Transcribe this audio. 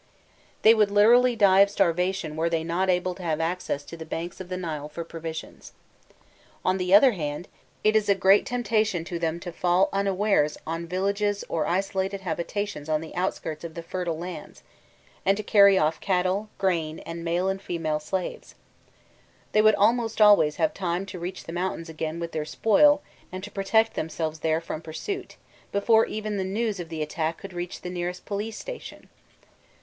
They would literally die of starvation were they not able to have access to the banks of the Nile for provisions. On the other hand, it is a great temptation to them to fall unawares on villages or isolated habitations on the outskirts of the fertile lands, and to carry off cattle, grain, and male and female slaves; they would almost always have time to reach the mountains again with their spoil and to protect themselves there from pursuit, before even the news of the attack could reach the nearest police station.